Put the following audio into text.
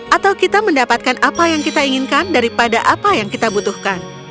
atau kita mendapatkan apa yang kita inginkan daripada apa yang kita butuhkan